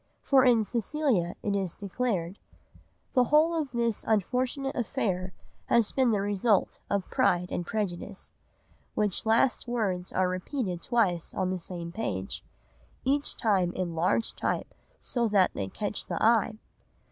For in Cecilia it is declared, "The whole of this unfortunate affair has been the result of PRIDE AND PREJUDICE," which last words are repeated twice on the same page, each time in large type so that they catch the eye.